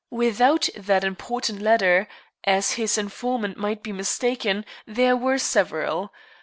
Without that important letter, as his informant might be mistaken, there were several.